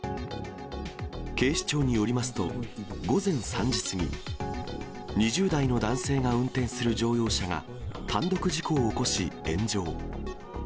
警視庁によりますと、午前３時過ぎ、２０代の男性が運転する乗用車が、単独事故を起こし、炎上。